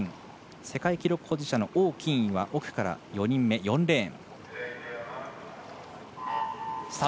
世界記録保持者の王欣怡は奥から４人目、４レーン。